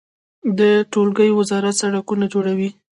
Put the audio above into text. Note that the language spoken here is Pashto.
د ټولګټو وزارت سړکونه جوړوي